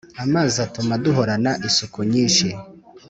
Amazi atuma duhorana isuku nyinshi